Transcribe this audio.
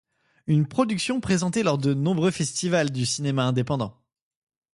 Une production présentée lors de nombreux festivals du cinéma indépendant.